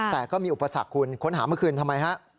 แต่ก็มีอุปสรรคคุณค้นหาเมื่อคืนทำไมฮะ